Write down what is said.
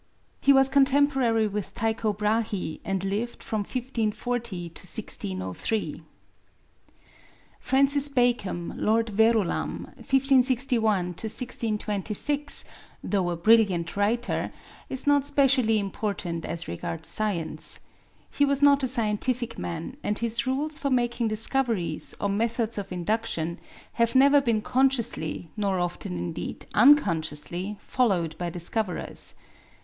He was contemporary with Tycho Brahé, and lived from 1540 to 1603. Francis Bacon, Lord Verulam, 1561 1626, though a brilliant writer, is not specially important as regards science. He was not a scientific man, and his rules for making discoveries, or methods of induction, have never been consciously, nor often indeed unconsciously, followed by discoverers.